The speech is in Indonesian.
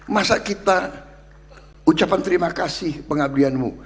masa kita ucapan terima kasih pengabdianmu